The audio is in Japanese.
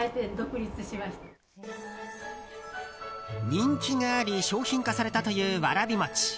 人気があり商品化されたというわらび餅。